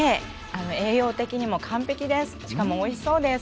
栄養的にも完璧です。